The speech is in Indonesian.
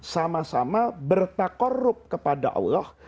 sama sama bertakorup kepada allah